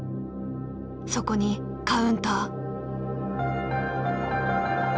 そこにカウンター。